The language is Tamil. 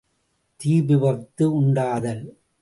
தீ விபத்து உண்டாதல்.